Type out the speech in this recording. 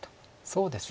そうですね。